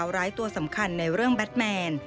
ร้ายตัวสำคัญในเรื่องแบทแมน